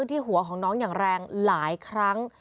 ที่หัวของน้องอย่างแรงหลายครั้ง